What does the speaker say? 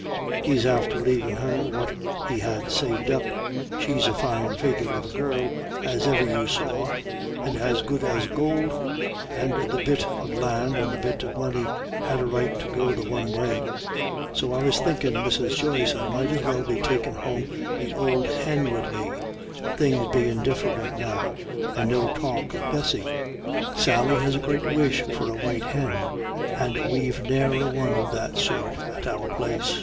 He's after leavin' her what he had saved up. She's a fine figure of a girl as iver you saw, and as good as gould, and the bit of lan' and the bit of money had a right to go the one way. So I was thinkin', Mrs. Joyce, I might as well be takin' home the ould him wid me things bein' diff'rent now, and no talk of Bessy. Sally has a great wish for a white hin, and we've ne'er a one of that sort at our place.